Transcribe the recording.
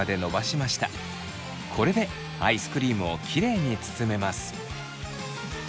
これでアイスクリームをきれいに包めます。